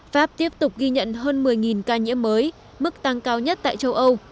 pháp tiếp tục ghi nhận hơn một mươi ca nhiễm mới mức tăng cao nhất tại châu âu